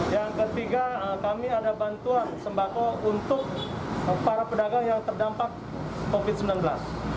yang ketiga kami ada bantuan sembako untuk para pedagang yang terdampak covid sembilan belas